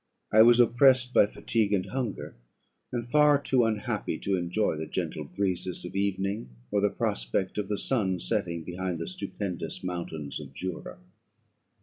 I was oppressed by fatigue and hunger, and far too unhappy to enjoy the gentle breezes of evening, or the prospect of the sun setting behind the stupendous mountains of Jura.